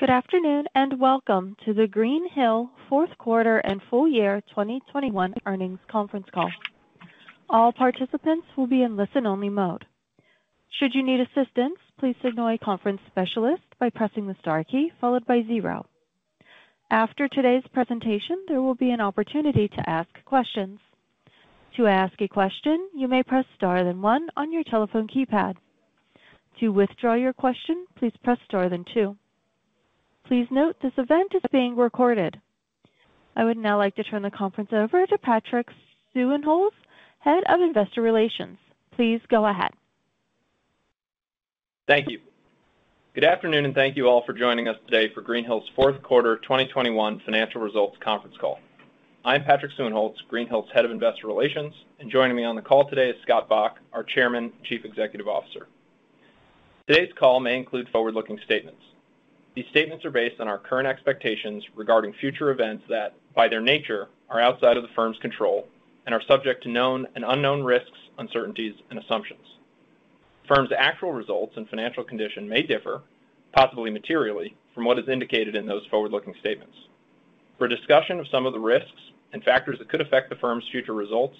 Good afternoon, and welcome to the Greenhill fourth quarter and full year 2021 earnings conference call. All participants will be in listen-only mode. Should you need assistance, please signal a conference specialist by pressing the star key followed by zero. After today's presentation, there will be an opportunity to ask questions. To ask a question, you may press star then one on your telephone keypad. To withdraw your question, please press star then two. Please note this event is being recorded. I would now like to turn the conference over to Patrick Suehnholz, Head of Investor Relations. Please go ahead. Thank you. Good afternoon, and thank you all for joining us today for Greenhill's fourth quarter 2021 financial results conference call. I'm Patrick Suehnholz, Greenhill's Head of Investor Relations, and joining me on the call today is Scott L. Bok, our Chairman and Chief Executive Officer. Today's call may include forward-looking statements. These statements are based on our current expectations regarding future events that, by their nature, are outside of the firm's control and are subject to known and unknown risks, uncertainties, and assumptions. The firm's actual results and financial condition may differ, possibly materially, from what is indicated in those forward-looking statements. For a discussion of some of the risks and factors that could affect the firm's future results,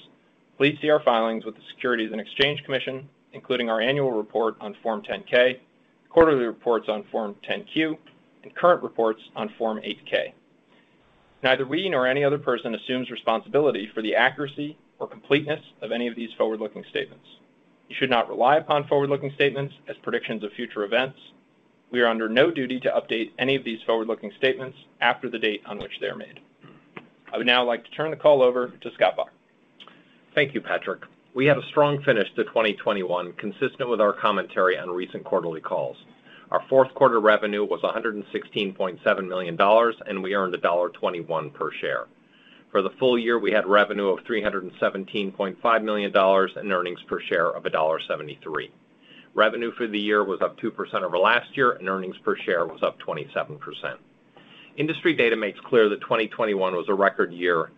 please see our filings with the Securities and Exchange Commission, including our annual report on Form 10-K, quarterly reports on Form 10-Q, and current reports on Form 8-K. Neither we nor any other person assumes responsibility for the accuracy or completeness of any of these forward-looking statements. You should not rely upon forward-looking statements as predictions of future events. We are under no duty to update any of these forward-looking statements after the date on which they are made. I would now like to turn the call over to Scott Bok. Thank you, Patrick. We had a strong finish to 2021, consistent with our commentary on recent quarterly calls. Our fourth quarter revenue was $116.7 million, and we earned $1.21 per share. For the full year, we had revenue of $317.5 million and earnings per share of $1.73. Revenue for the year was up 2% over last year, and earnings per share was up 27%. Industry data makes clear that 2021 was a record year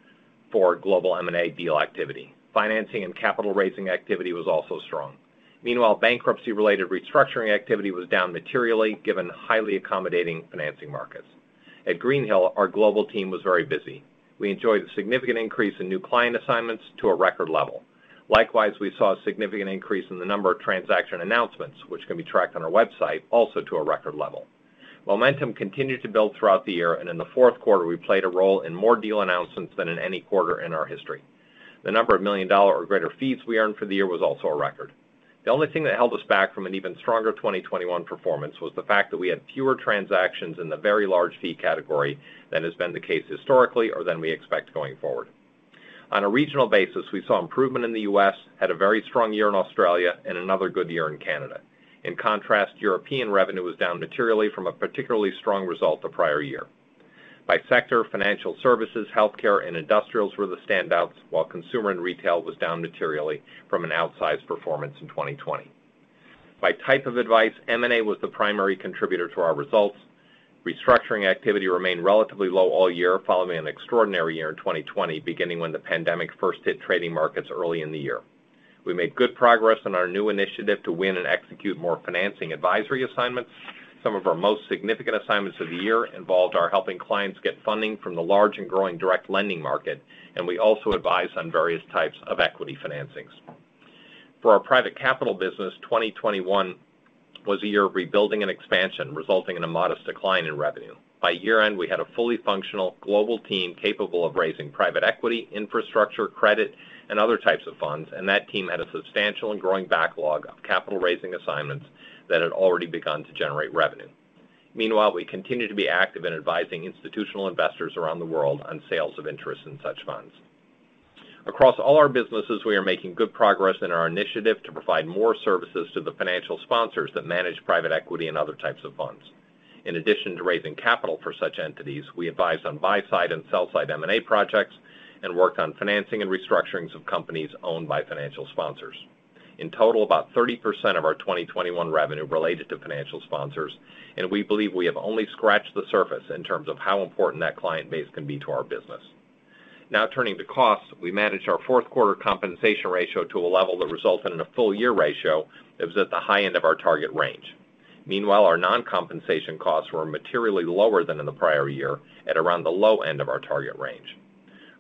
for global M&A deal activity. Financing and capital raising activity was also strong. Meanwhile, bankruptcy-related restructuring activity was down materially, given highly accommodating financing markets. At Greenhill, our global team was very busy. We enjoyed a significant increase in new client assignments to a record level. Likewise, we saw a significant increase in the number of transaction announcements, which can be tracked on our website, also to a record level. Momentum continued to build throughout the year, and in the fourth quarter, we played a role in more deal announcements than in any quarter in our history. The number of million-dollar or greater fees we earned for the year was also a record. The only thing that held us back from an even stronger 2021 performance was the fact that we had fewer transactions in the very large fee category than has been the case historically or than we expect going forward. On a regional basis, we saw improvement in the U.S., had a very strong year in Australia, and another good year in Canada. In contrast, European revenue was down materially from a particularly strong result the prior year. By sector, financial services, healthcare, and industrials were the standouts, while consumer and retail was down materially from an outsized performance in 2020. By type of advice, M&A was the primary contributor to our results. Restructuring activity remained relatively low all year, following an extraordinary year in 2020, beginning when the pandemic first hit trading markets early in the year. We made good progress on our new initiative to win and execute more financing advisory assignments. Some of our most significant assignments of the year involved our helping clients get funding from the large and growing direct lending market, and we also advise on various types of equity financings. For our private capital business, 2021 was a year of rebuilding and expansion, resulting in a modest decline in revenue. By year-end, we had a fully functional global team capable of raising private equity, infrastructure, credit, and other types of funds, and that team had a substantial and growing backlog of capital-raising assignments that had already begun to generate revenue. Meanwhile, we continue to be active in advising institutional investors around the world on sales of interest in such funds. Across all our businesses, we are making good progress in our initiative to provide more services to the financial sponsors that manage private equity and other types of funds. In addition to raising capital for such entities, we advise on buy-side and sell-side M&A projects and work on financing and restructurings of companies owned by financial sponsors. In total, about 30% of our 2021 revenue related to financial sponsors, and we believe we have only scratched the surface in terms of how important that client base can be to our business. Now turning to costs, we managed our fourth quarter compensation ratio to a level that resulted in a full year ratio that was at the high end of our target range. Meanwhile, our non-compensation costs were materially lower than in the prior year at around the low end of our target range.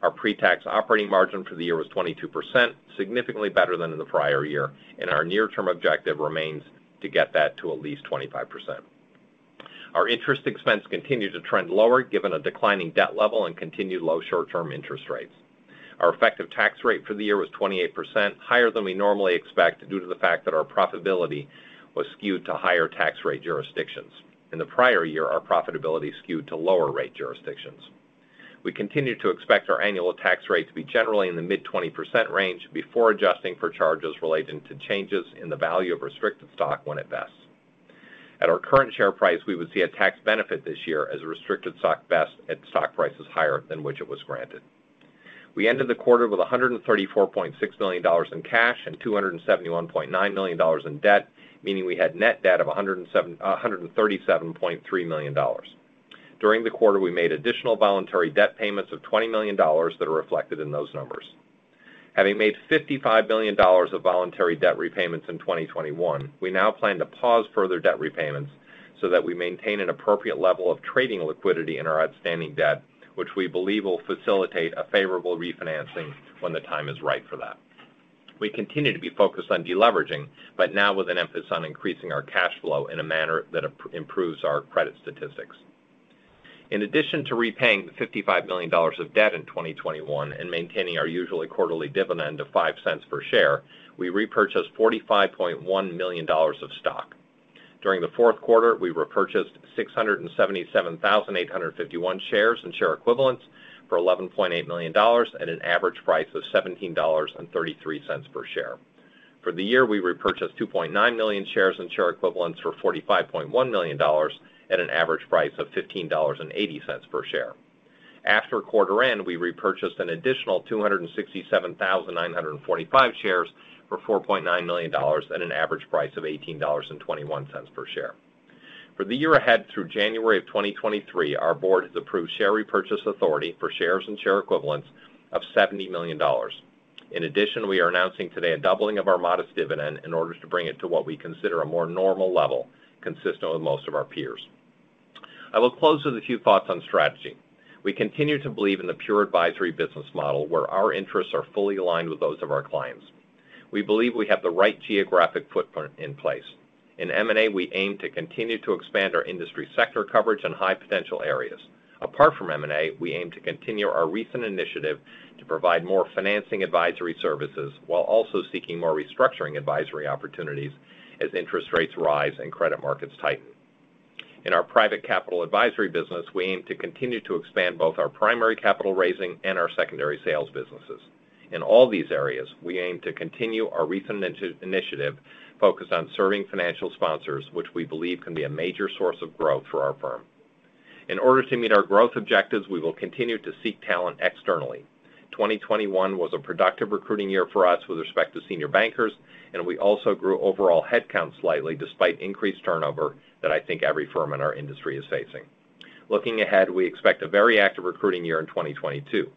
Our pre-tax operating margin for the year was 22%, significantly better than in the prior year, and our near-term objective remains to get that to at least 25%. Our interest expense continued to trend lower given a declining debt level and continued low short-term interest rates. Our effective tax rate for the year was 28%, higher than we normally expect due to the fact that our profitability was skewed to higher tax rate jurisdictions. In the prior year, our profitability skewed to lower rate jurisdictions. We continue to expect our annual tax rate to be generally in the mid-20% range before adjusting for charges relating to changes in the value of restricted stock when it vests. At our current share price, we would see a tax benefit this year as restricted stock vest at stock prices higher than which it was granted. We ended the quarter with $134.6 million in cash and $271.9 million in debt, meaning we had net debt of $137.3 million. During the quarter, we made additional voluntary debt payments of $20 million that are reflected in those numbers. Having made $55 million of voluntary debt repayments in 2021, we now plan to pause further debt repayments so that we maintain an appropriate level of trading liquidity in our outstanding debt, which we believe will facilitate a favorable refinancing when the time is right for that. We continue to be focused on deleveraging, but now with an emphasis on increasing our cash flow in a manner that improves our credit statistics. In addition to repaying the $55 million of debt in 2021 and maintaining our usual quarterly dividend of $0.05 per share, we repurchased $45.1 million of stock. During the fourth quarter, we repurchased 677,851 shares and share equivalents for $11.8 million at an average price of $17.33 per share. For the year, we repurchased 2.9 million shares and share equivalents for $45.1 million at an average price of $15.80 per share. After quarter end, we repurchased an additional 267,945 shares for $4.9 million at an average price of $18.21 per share. For the year ahead through January of 2023, our board has approved share repurchase authority for shares and share equivalents of $70 million. In addition, we are announcing today a doubling of our modest dividend in order to bring it to what we consider a more normal level consistent with most of our peers. I will close with a few thoughts on strategy. We continue to believe in the pure advisory business model, where our interests are fully aligned with those of our clients. We believe we have the right geographic footprint in place. In M&A, we aim to continue to expand our industry sector coverage in high potential areas. Apart from M&A, we aim to continue our recent initiative to provide more financing advisory services while also seeking more restructuring advisory opportunities as interest rates rise and credit markets tighten. In our private capital advisory business, we aim to continue to expand both our primary capital raising and our secondary sales businesses. In all these areas, we aim to continue our recent initiative focused on serving financial sponsors, which we believe can be a major source of growth for our firm. In order to meet our growth objectives, we will continue to seek talent externally. 2021 was a productive recruiting year for us with respect to senior bankers, and we also grew overall headcount slightly despite increased turnover that I think every firm in our industry is facing. Looking ahead, we expect a very active recruiting year in 2022.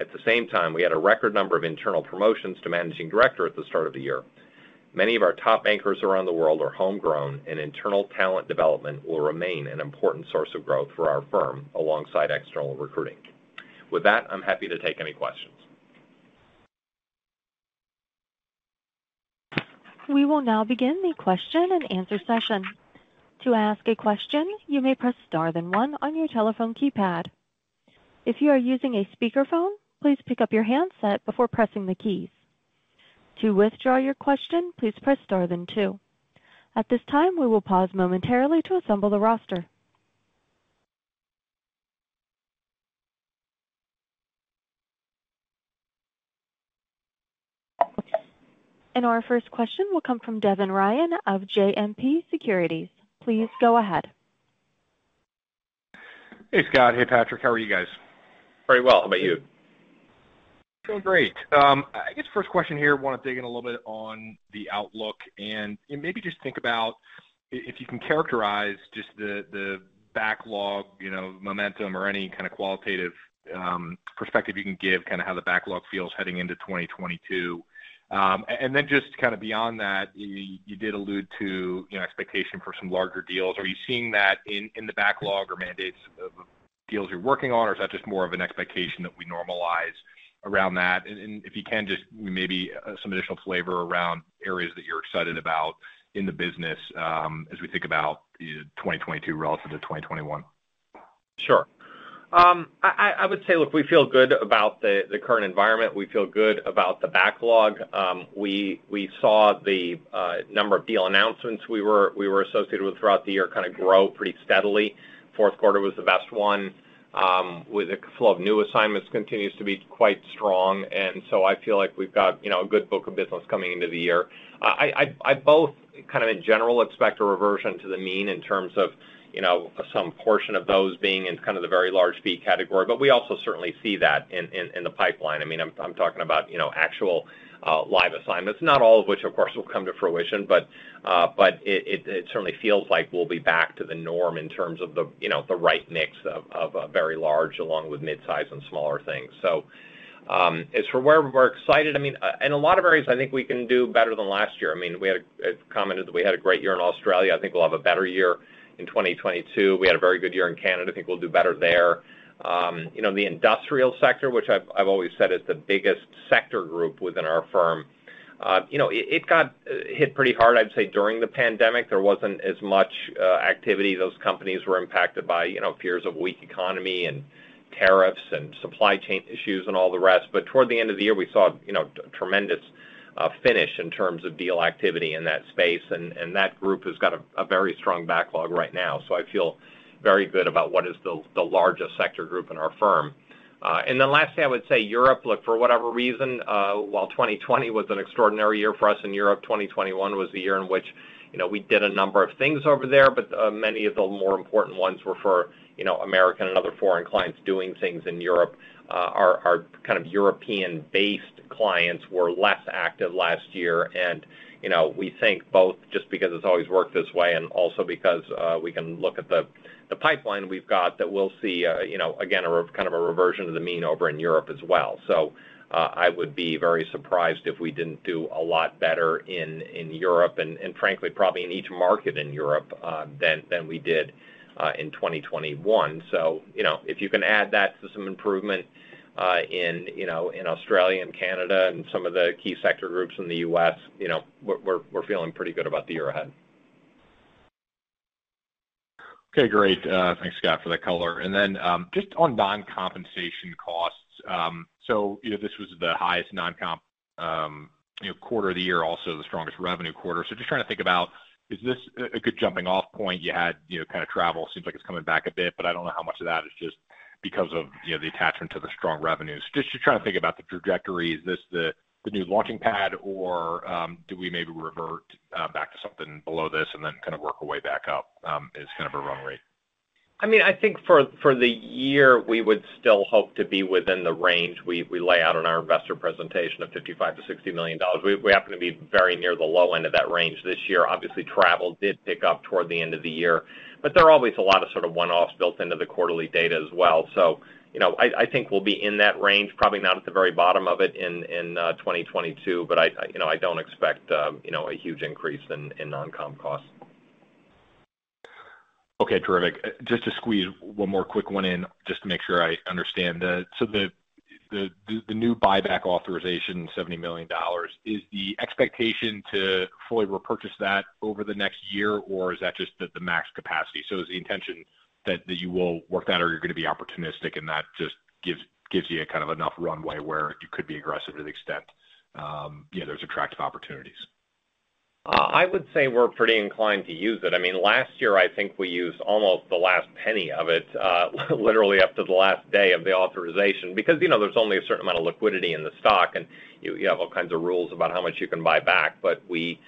At the same time, we had a record number of internal promotions to Managing Director at the start of the year. Many of our top bankers around the world are homegrown, and internal talent development will remain an important source of growth for our firm alongside external recruiting. With that, I'm happy to take any questions. We will now begin the question and answer session. To ask a question, you may press star then one on your telephone keypad. If you are using a speakerphone, please pick up your handset before pressing the keys. To withdraw your question, please press star then two. At this time, we will pause momentarily to assemble the roster. Our first question will come from Devin Ryan of JMP Securities. Please go ahead. Hey, Scott. Hey, Patrick. How are you guys? Very well. How about you? Doing great. I guess first question here, want to dig in a little bit on the outlook and maybe just think about if you can characterize just the backlog, you know, momentum or any kind of qualitative perspective you can give, kind of how the backlog feels heading into 2022. Then just kind of beyond that, you did allude to, you know, expectation for some larger deals. Are you seeing that in the backlog or mandates of deals you're working on, or is that just more of an expectation that we normalize around that? If you can just maybe some additional flavor around areas that you're excited about in the business, as we think about the 2022 relative to 2021. Sure. I would say, look, we feel good about the current environment. We feel good about the backlog. We saw the number of deal announcements we were associated with throughout the year kinda grow pretty steadily. Fourth quarter was the best one. With the flow of new assignments continues to be quite strong, and so I feel like we've got, you know, a good book of business coming into the year. I both kind of in general expect a reversion to the mean in terms of, you know, some portion of those being in kind of the very large fee category, but we also certainly see that in the pipeline. I mean, I'm talking about, you know, actual live assignments, not all of which, of course, will come to fruition. It certainly feels like we'll be back to the norm in terms of the, you know, the right mix of very large along with midsize and smaller things. As for where we're excited, I mean, in a lot of areas I think we can do better than last year. I mean, we had commented that we had a great year in Australia. I think we'll have a better year in 2022. We had a very good year in Canada. I think we'll do better there. You know, the industrial sector, which I've always said is the biggest sector group within our firm, you know, it got hit pretty hard. I'd say during the pandemic, there wasn't as much activity. Those companies were impacted by, you know, fears of weak economy and tariffs and supply chain issues and all the rest. Toward the end of the year, we saw, you know, tremendous finish in terms of deal activity in that space, and that group has got a very strong backlog right now. I feel very good about what is the largest sector group in our firm. Lastly, I would say Europe. Look, for whatever reason, while 2020 was an extraordinary year for us in Europe, 2021 was the year in which, you know, we did a number of things over there, but many of the more important ones were for, you know, American and other foreign clients doing things in Europe. Our kind of European-based clients were less active last year. You know, we think both just because it's always worked this way and also because we can look at the pipeline we've got that we'll see, you know, again, a reversion to the mean over in Europe as well. I would be very surprised if we didn't do a lot better in Europe and frankly, probably in each market in Europe than we did in 2021. You know, if you can add that to some improvement in Australia and Canada and some of the key sector groups in the U.S., you know, we're feeling pretty good about the year ahead. Okay, great. Thanks, Scott, for that color. Then just on non-compensation costs. You know, this was the highest non-comp, you know, quarter of the year, also the strongest revenue quarter. Just trying to think about is this a good jumping off point you had, you know, kind of travel seems like it's coming back a bit, but I don't know how much of that is just because of, you know, the attachment to the strong revenues. Just trying to think about the trajectory. Is this the new launching pad or do we maybe revert back to something below this and then kind of work our way back up as kind of a run rate? I mean, I think for the year, we would still hope to be within the range we lay out on our investor presentation of $55 million-$60 million. We happen to be very near the low end of that range this year. Obviously, travel did pick up toward the end of the year, but there are always a lot of sort of one-offs built into the quarterly data as well. You know, I think we'll be in that range, probably not at the very bottom of it in 2022, but you know, I don't expect you know, a huge increase in non-comp costs. Okay, terrific. Just to squeeze one more quick one in just to make sure I understand. The new buyback authorization, $70 million, is the expectation to fully repurchase that over the next year, or is that just the max capacity? Is the intention that you will work that or you're gonna be opportunistic, and that just gives you a kind of enough runway where you could be aggressive to the extent you know there's attractive opportunities? I would say we're pretty inclined to use it. I mean, last year, I think we used almost the last penny of it, literally up to the last day of the authorization. Because, you know, there's only a certain amount of liquidity in the stock, and you have all kinds of rules about how much you can buy back. But we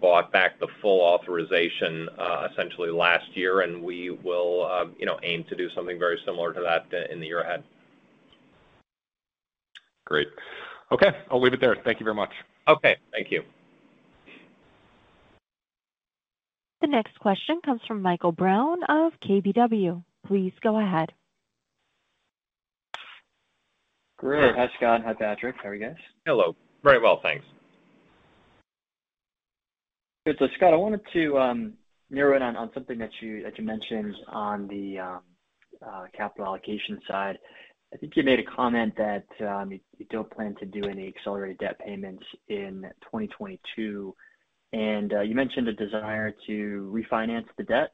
bought back the full authorization, essentially last year, and we will, you know, aim to do something very similar to that in the year ahead. Great. Okay, I'll leave it there. Thank you very much. Okay. Thank you. The next question comes from Michael Brown of KBW. Please go ahead. Great. Hi, Scott. Hi, Patrick. How are you guys? Hello. Very well, thanks. Good. Scott, I wanted to narrow in on something that you mentioned on the capital allocation side. I think you made a comment that you don't plan to do any accelerated debt payments in 2022, and you mentioned a desire to refinance the debt.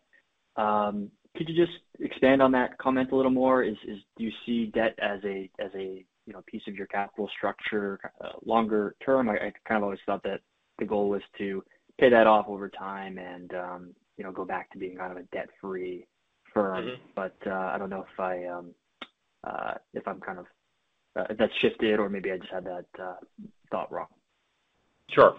Could you just expand on that comment a little more? Do you see debt as a you know, piece of your capital structure longer term? I kind of always thought that the goal was to pay that off over time and you know, go back to being kind of a debt-free firm. Mm-hmm. I don't know if that's shifted or maybe I just had that thought wrong. Sure.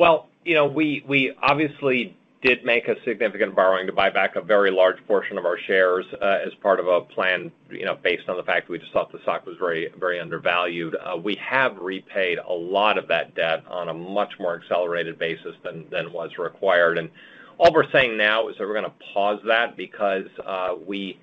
Well, you know, we obviously did make a significant borrowing to buy back a very large portion of our shares, as part of a plan, you know, based on the fact we just thought the stock was very, very undervalued. We have repaid a lot of that debt on a much more accelerated basis than was required. All we're saying now is that we're gonna pause that because we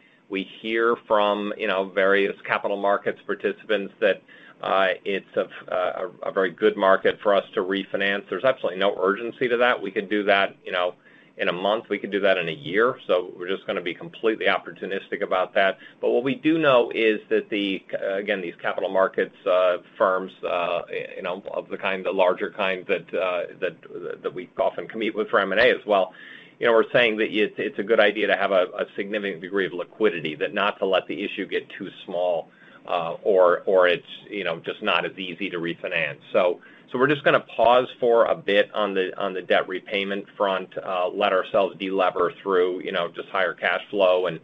hear from, you know, various capital markets participants that it's a very good market for us to refinance. There's absolutely no urgency to that. We could do that, you know, in a month. We could do that in a year. We're just gonna be completely opportunistic about that. What we do know is that again, these capital markets firms, you know, of the kind, the larger kind that we often compete with for M&A as well, you know, are saying that it's a good idea to have a significant degree of liquidity, that not to let the issue get too small or it's, you know, just not as easy to refinance. So we're just gonna pause for a bit on the debt repayment front, let ourselves de-lever through, you know, just higher cash flow and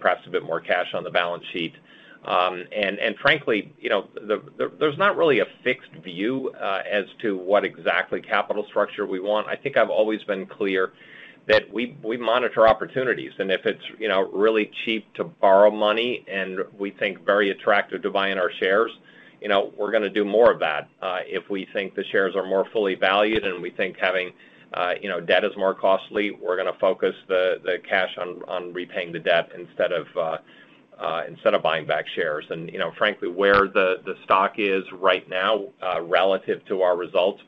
perhaps a bit more cash on the balance sheet. And frankly, you know, there's not really a fixed view as to what exactly capital structure we want. I think I've always been clear that we monitor opportunities, and if it's, you know, really cheap to borrow money and we think very attractive to buying our shares, you know, we're gonna do more of that. If we think the shares are more fully valued and we think having, you know, debt is more costly, we're gonna focus the cash on repaying the debt instead of buying back shares. Frankly, where the stock is right now, relative to our results,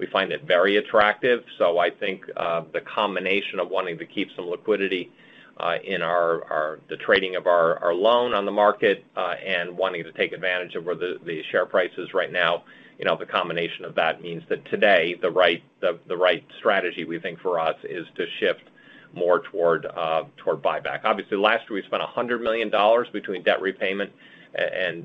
we find it very attractive. I think the combination of wanting to keep some liquidity in the trading of our loan on the market and wanting to take advantage of where the share price is right now, you know, the combination of that means that today the right strategy, we think, for us is to shift more toward buyback. Obviously, last year, we spent $100 million between debt repayment and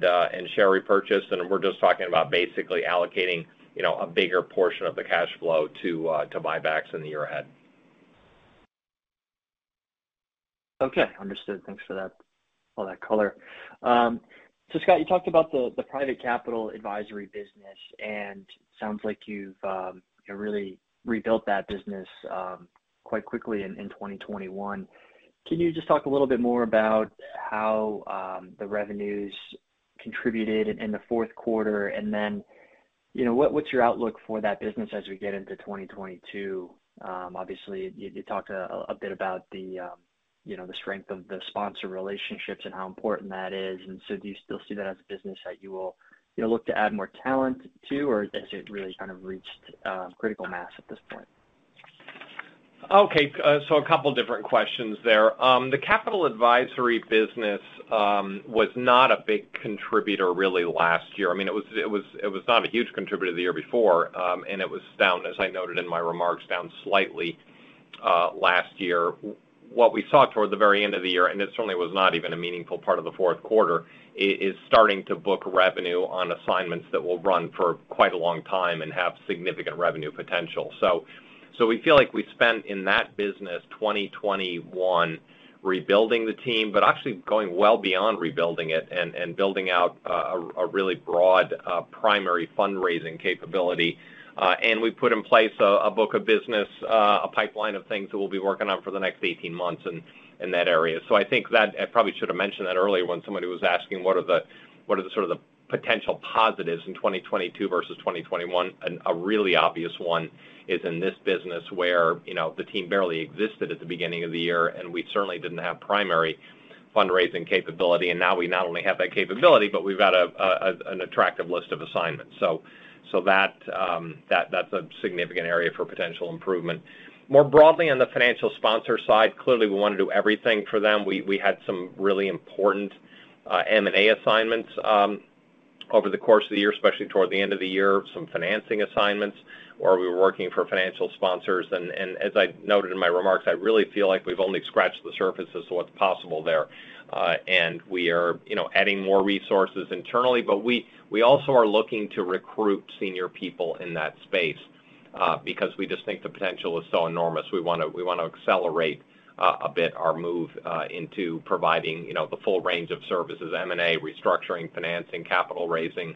share repurchase, and we're just talking about basically allocating, you know, a bigger portion of the cash flow to buybacks in the year ahead. Okay. Understood. Thanks for that, all that color. Scott, you talked about the private capital advisory business, and it sounds like you've you know really rebuilt that business quite quickly in 2021. Can you just talk a little bit more about how the revenues contributed in the fourth quarter? You know, what's your outlook for that business as we get into 2022? Obviously, you talked a bit about the you know the strength of the sponsor relationships and how important that is. Do you still see that as a business that you will you know look to add more talent to, or has it really kind of reached critical mass at this point? Okay. A couple different questions there. The capital advisory business was not a big contributor really last year. I mean, it was not a huge contributor the year before, and it was down, as I noted in my remarks, down slightly. Last year, what we saw toward the very end of the year, and it certainly was not even a meaningful part of the fourth quarter, is starting to book revenue on assignments that will run for quite a long time and have significant revenue potential. We feel like we've spent, in that business, 2021 rebuilding the team, but actually going well beyond rebuilding it and building out a really broad primary fundraising capability. We've put in place a book of business, a pipeline of things that we'll be working on for the next 18 months in that area. I think that I probably should have mentioned that earlier when somebody was asking, what are the sort of the potential positives in 2022 versus 2021. A really obvious one is in this business where, you know, the team barely existed at the beginning of the year, and we certainly didn't have primary fundraising capability. Now we not only have that capability, but we've got an attractive list of assignments. That that's a significant area for potential improvement. More broadly, on the financial sponsor side, clearly, we wanna do everything for them. We had some really important M&A assignments over the course of the year, especially toward the end of the year, some financing assignments where we were working for financial sponsors. As I noted in my remarks, I really feel like we've only scratched the surface as to what's possible there. We are, you know, adding more resources internally. We also are looking to recruit senior people in that space because we just think the potential is so enormous. We wanna accelerate a bit our move into providing, you know, the full range of services, M&A, restructuring, financing, capital raising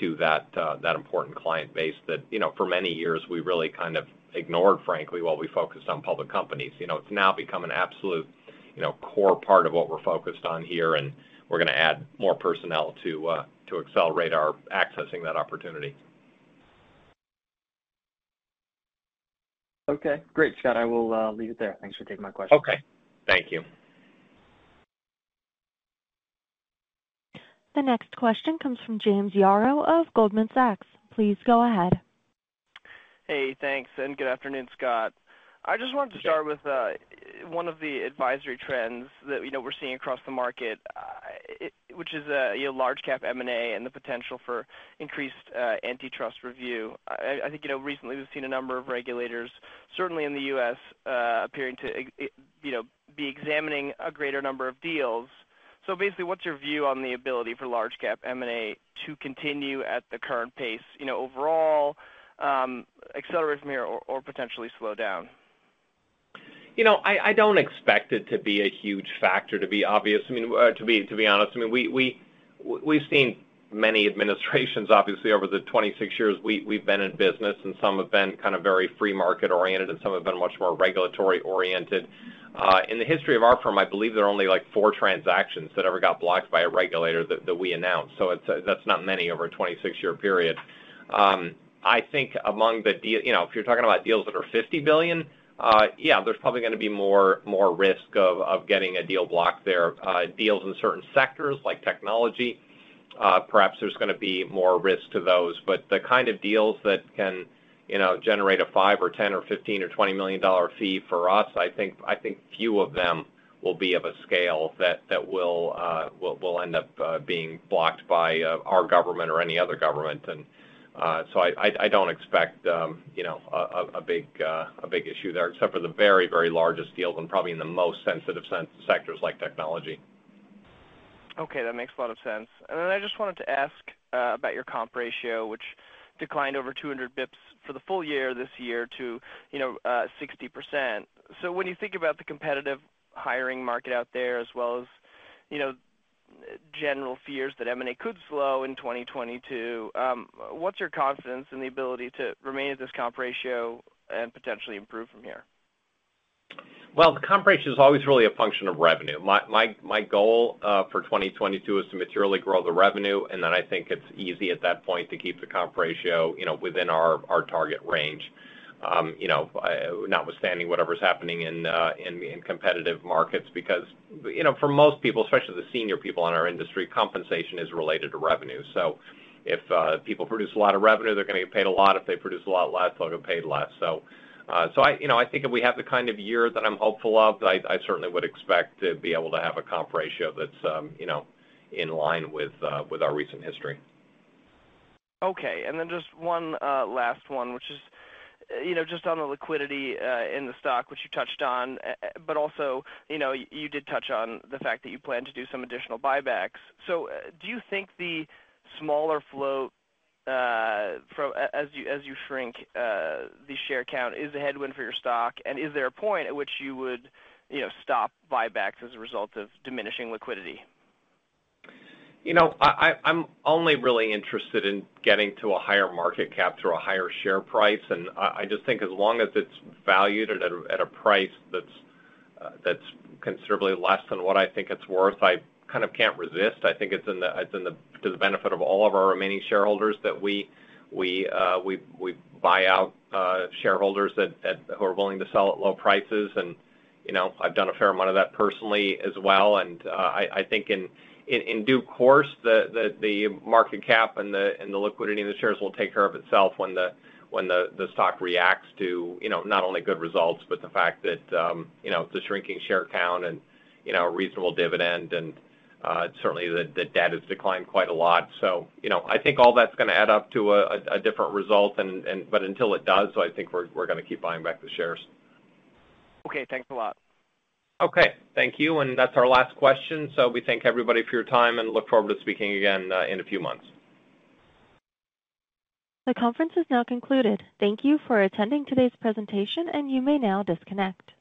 to that important client base that, you know, for many years, we really kind of ignored, frankly, while we focused on public companies. You know, it's now become an absolute, you know, core part of what we're focused on here, and we're gonna add more personnel to accelerate our accessing that opportunity. Okay, great, Scott. I will leave it there. Thanks for taking my question. Okay. Thank you. The next question comes from James Yaro of Goldman Sachs. Please go ahead. Hey, thanks, and good afternoon, Scott. I just wanted to start with one of the advisory trends that, you know, we're seeing across the market, which is, you know, large cap M&A and the potential for increased antitrust review. I think, you know, recently we've seen a number of regulators, certainly in the U.S., appearing to be examining a greater number of deals. Basically, what's your view on the ability for large cap M&A to continue at the current pace, you know, overall, accelerate from here or potentially slow down? You know, I don't expect it to be a huge factor, to be obvious. I mean, to be honest, I mean, we've seen many administrations, obviously, over the 26 years we've been in business, and some have been kind of very free market-oriented and some have been much more regulatory-oriented. In the history of our firm, I believe there are only, like, four transactions that ever got blocked by a regulator that we announced. So that's not many over a 26-year period. I think among the deals. You know, if you're talking about deals that are $50 billion, yeah, there's probably gonna be more risk of getting a deal blocked there. Deals in certain sectors like technology, perhaps there's gonna be more risk to those. The kind of deals that can, you know, generate a $5 million or $10 million or $15 million or $20 million fee for us, I think few of them will be of a scale that will end up being blocked by our government or any other government. I don't expect, you know, a big issue there except for the very, very largest deals and probably in the most sensitive sectors like technology. Okay, that makes a lot of sense. Then I just wanted to ask about your comp ratio, which declined over 200 basis points for the full year this year to, you know, 60%. When you think about the competitive hiring market out there, as well as, you know, general fears that M&A could slow in 2022, what's your confidence in the ability to remain at this comp ratio and potentially improve from here? Well, the comp ratio is always really a function of revenue. My goal for 2022 is to materially grow the revenue, and then I think it's easy at that point to keep the comp ratio, you know, within our target range. You know, notwithstanding whatever's happening in competitive markets. Because, you know, for most people, especially the senior people in our industry, compensation is related to revenue. So if people produce a lot of revenue, they're gonna get paid a lot. If they produce a lot less, they'll get paid less. So I, you know, I think if we have the kind of year that I'm hopeful of, I certainly would expect to be able to have a comp ratio that's, you know, in line with our recent history. Okay. Just one last one, which is, you know, just on the liquidity in the stock, which you touched on, but also, you know, you did touch on the fact that you plan to do some additional buybacks. Do you think the smaller float, as you shrink the share count is a headwind for your stock, and is there a point at which you would, you know, stop buybacks as a result of diminishing liquidity? You know, I'm only really interested in getting to a higher market cap through a higher share price. I just think as long as it's valued at a price that's considerably less than what I think it's worth, I kind of can't resist. I think it's to the benefit of all of our remaining shareholders that we buy out shareholders who are willing to sell at low prices. You know, I've done a fair amount of that personally as well. I think in due course, the market cap and the liquidity of the shares will take care of itself when the stock reacts to, you know, not only good results, but the fact that, you know, the shrinking share count and, you know, a reasonable dividend and, certainly the debt has declined quite a lot. You know, I think all that's gonna add up to a different result. Until it does, I think we're gonna keep buying back the shares. Okay, thanks a lot. Okay. Thank you. That's our last question. We thank everybody for your time and look forward to speaking again, in a few months. The conference is now concluded. Thank you for attending today's presentation, and you may now disconnect.